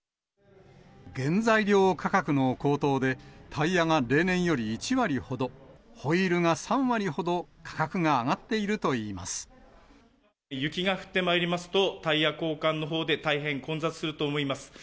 原材料価格の高騰で、タイヤが例年より１割ほど、ホイールが３割ほど、価格が上が雪が降ってまいりますと、タイヤ交換のほうで大変混雑すると思います。